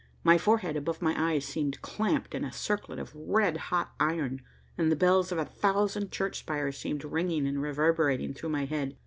My forehead above my eyes seemed clamped in a circlet of red hot iron, and the bells of a thousand church spires seemed ringing and reverberating through my head.